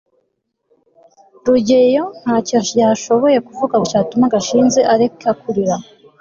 rugeyo ntacyo yashoboye kuvuga cyatuma gashinzi areka kurira